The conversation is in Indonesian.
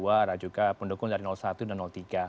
ada juga pendukung dari satu dan tiga